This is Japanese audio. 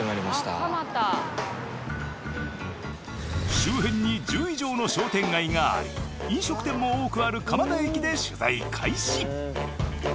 周辺に１０以上の商店街があり飲食店も多くある蒲田駅で取材開始！